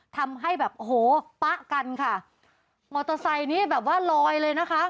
ทำให้แบบโอ้โหป๊ะกันค่ะมอเตอร์ไซค์นี้แบบว่าลอยเลยนะคะ